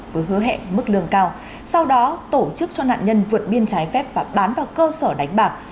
với hứa hẹn mức lương cao sau đó tổ chức cho nạn nhân vượt biên trái phép và bán vào cơ sở đánh bạc